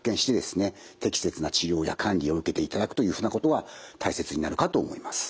適切な治療や管理を受けていただくというふうなことは大切になるかと思います。